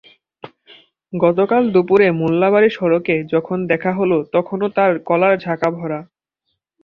গতকাল দুপুরে মোল্লাবাড়ি সড়কে যখন দেখা হলো তখনো তাঁর কলার ঝাঁকা ভরা।